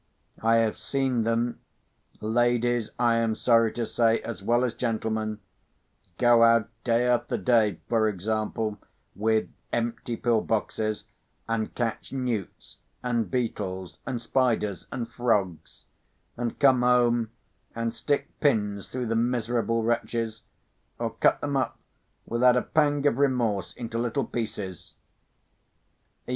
I have seen them (ladies, I am sorry to say, as well as gentlemen) go out, day after day, for example, with empty pill boxes, and catch newts, and beetles, and spiders, and frogs, and come home and stick pins through the miserable wretches, or cut them up, without a pang of remorse, into little pieces.